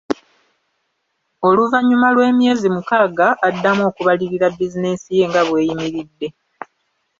Oluvannyuma lw’emyezi mukaaga addamu okubalirira bizinensi ye nga bw’eyimiridde.